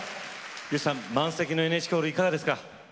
吉さん、満席のＮＨＫホールはいかがですか？